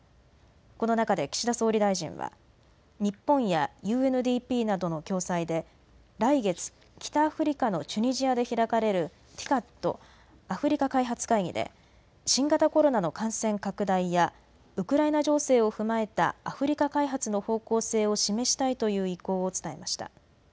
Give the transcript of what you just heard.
この中で岸田総理大臣は、日本やＵＮＤＰなどの共催で、来月、北アフリカのチュニジアで開かれるＴＩＣＡＤ・アフリカ開発会議で新型コロナの感染拡大やウクライナ情勢を踏まえたアフリカ開発の方向性を示したいという意向を伝えました。